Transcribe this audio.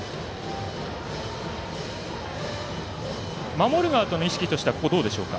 守る側の意識としてはここはどうでしょうか？